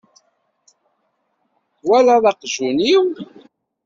Twalaḍ aqjun-iw?